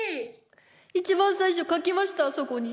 一番最初書きましたあそこに。